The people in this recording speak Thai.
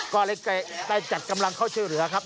ก็เลยได้จัดกำลังเข้าช่วยเหลือครับ